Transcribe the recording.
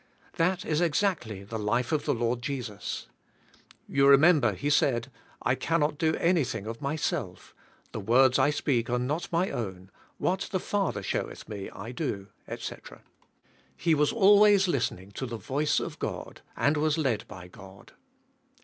That is exactly the life of the Lord Jesus. You remem ber He said, '' I cannot do anything of myself, the words I speak are not my own, what the Father showeth me I do," etc. He was always listening to the voice of God and was lead by God.